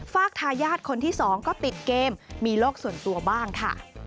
ฝากทายาทคนที่๒ก็ติดเกมมีโลกส่วนตัวบ้างค่ะ